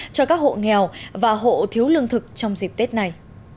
cho các hộ nghèo và hộ thiếu lương thực trong dịp tết này